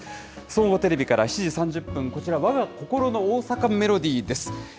総合テレビから、７時３０分、こちら、わが心の大阪メロディーです。